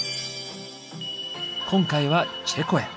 今回はチェコへ。